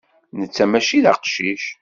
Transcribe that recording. Netta mačči d aqcic.